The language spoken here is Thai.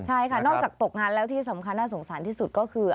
ใช่ค่ะนอกจากตกงานแล้วที่สำคัญน่าสงสารที่สุดก็คือ